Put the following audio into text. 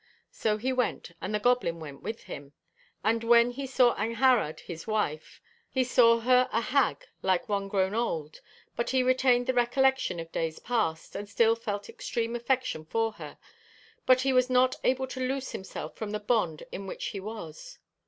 'So he went, and the goblin went with him; and when he saw Angharad, his wife, he saw her a hag like one grown old, but he retained the recollection of days past, and still felt extreme affection for her, but he was not able to loose himself from the bond in which he was.